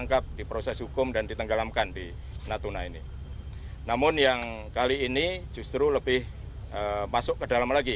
kekuatan ini justru lebih masuk ke dalam lagi